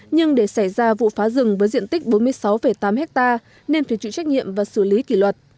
nhưng để xảy ra vụ phá rừng với diện tích bốn mươi sáu tám hectare nên phải chịu trách nhiệm và xử lý kỷ luật